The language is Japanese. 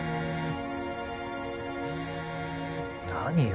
何よ